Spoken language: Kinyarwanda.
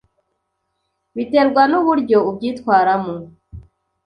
Biterwa nuburyo ubyitwaramo.